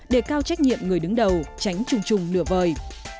để cao trách nhiệm người đứng đầu tránh trùng trùng lửa vời